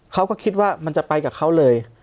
เขาก็คิดว่ามันจะไปกับเขาเลย